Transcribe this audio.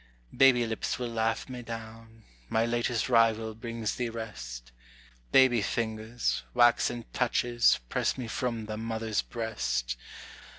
Baby lips will laugh me down; my latest rival brings thee rest, Baby fingers, waxen touches, press me from the mother's breast.